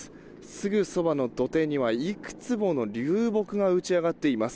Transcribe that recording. すぐそばの土手にはいくつもの流木が打ち上がっています。